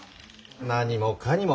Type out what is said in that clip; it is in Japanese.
何もかにも。